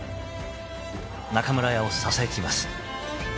［中村屋を支えています］